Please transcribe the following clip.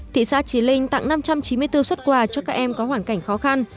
thị xã trí linh tặng năm trăm chín mươi bốn xuất quà cho các em có hoàn cảnh khó khăn